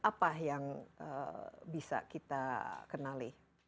apa yang bisa kita kenali